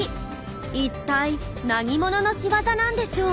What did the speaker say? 一体何者の仕業なんでしょう？